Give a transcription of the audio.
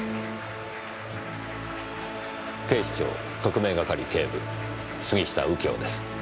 警視庁特命係警部杉下右京です。